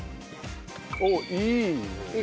おっいい。